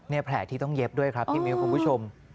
นี่แผลที่ต้องเย็บด้วยครับพี่มิ้วคุณผู้ชม